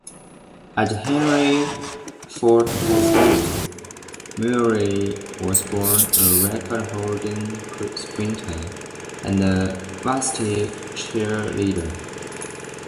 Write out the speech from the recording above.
At Henry Ford High School, Murray was both a record-holding sprinter and varsity cheerleader.